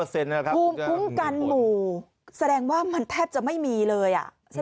รวมกันหมู่แสดงว่ามันแทบจะไม่มีเลย